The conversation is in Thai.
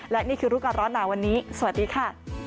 และนี่คือรู้ก่อนร้อนหนาวันนี้สวัสดีค่ะ